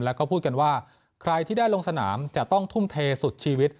แล้วก็พูดกันว่าใครที่ได้ลงสนามจะต้องทุ่มเทสุดชีวิต